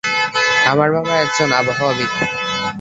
আমার বাবা একজন আবহাওয়াবিদ!